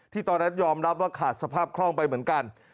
ตอนนั้นยอมรับว่าขาดสภาพคล่องไปเหมือนกัน